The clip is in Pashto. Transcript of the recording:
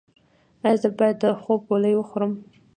ایا زه باید د خوب ګولۍ وخورم؟